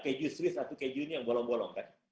keju swiss atau keju ini yang bolong bolong kan